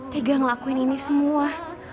tegang ngelakuin ini semua